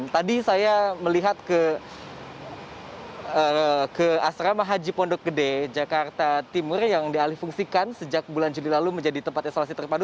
tadi saya melihat ke asrama haji pondok gede jakarta timur yang dialih fungsikan sejak bulan juli lalu menjadi tempat isolasi terpadu